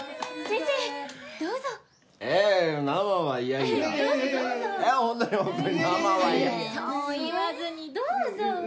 そう言わずにどうぞ！